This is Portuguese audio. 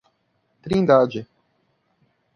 Trindade